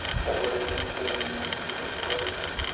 La población es predominantemente joven.